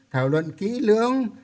thảo luận kỹ lưỡng